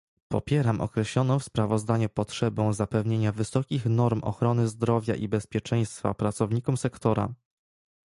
Popieram określoną w sprawozdaniu potrzebę zapewnienia wysokich norm ochrony zdrowia i bezpieczeństwa pracownikom sektora